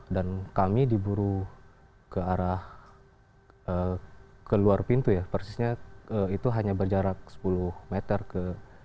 dan kami diburu ke arah ke luar pintu ya persisnya itu hanya berjarak sepuluh meter ke